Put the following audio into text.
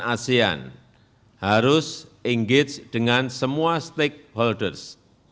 asean harus engage dengan semua stakeholders